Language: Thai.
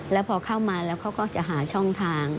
แล้วพอเข้ามาแล้วเขาก็จะหาช่องทาง